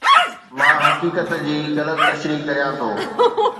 مان حقيقت جي غلط تشريح ڪريان ٿو